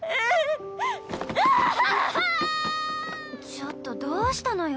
ちょっとどうしたのよ？